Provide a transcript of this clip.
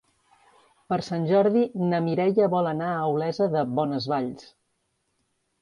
Per Sant Jordi na Mireia vol anar a Olesa de Bonesvalls.